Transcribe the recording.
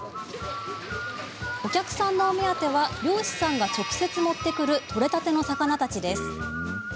お客さんのお目当ては漁師さんが直接持ってくる取れたての魚たちです。